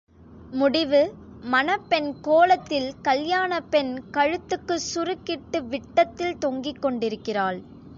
முடிவு மணப்பெண் கோலத்தில் கல்யாணப் பெண் கழுத்துக்குச் சுருக்கிட்டு, விட்டத்தில் தொங்கிக் கொண்டிருக்கிறாள்!